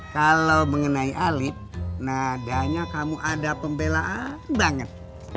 kalau mengenai alip nadanya kamu ada pembelaan banget